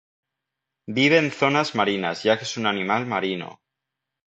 Vive en zonas marinas ya que es un animal marino.